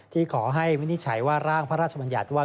ที่ขอให้วินิจฉัยว่าร่างพระราชบัญญัติว่า